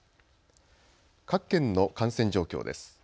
各県の感染状況です。